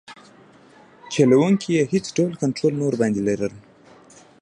چلوونکي یې هیڅ ډول کنټرول نه ورباندې لري.